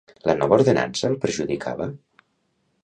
La nova ordenança el perjudicava?